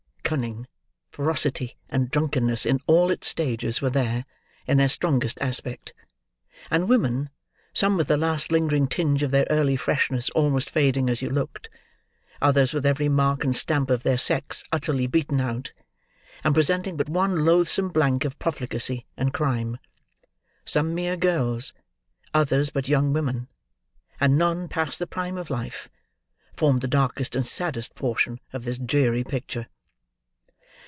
Cunning, ferocity, and drunkeness in all its stages, were there, in their strongest aspect; and women: some with the last lingering tinge of their early freshness almost fading as you looked: others with every mark and stamp of their sex utterly beaten out, and presenting but one loathsome blank of profligacy and crime; some mere girls, others but young women, and none past the prime of life; formed the darkest and saddest portion of this dreary picture.